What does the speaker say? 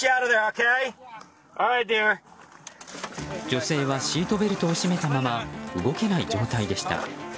女性はシートベルトを締めたまま動けない状態でした。